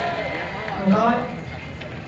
唔該